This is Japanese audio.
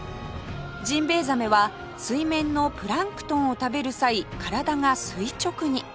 ジンベエザメは水面のプランクトンを食べる際体が垂直に